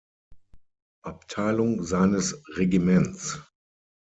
Abteilung seines Regiments.